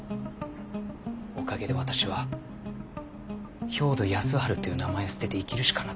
おかげで私は兵働耕春という名前を捨てて生きるしかなくなった。